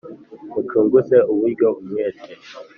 mucunguze uburyo umwete